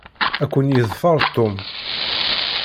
Ad ken-yeḍfer Tom.